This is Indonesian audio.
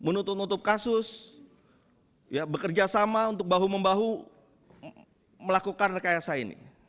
menutup nutup kasus bekerja sama untuk bahu membahu melakukan rekayasa ini